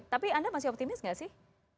tapi anda masih optimis nggak sih